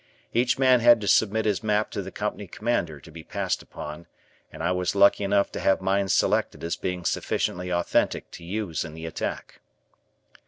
Each man had to submit his map to the Company Commander to be passed upon, and I was lucky enough to have mine selected as being sufficiently authentic to use in the attack.